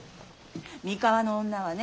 三河の女はね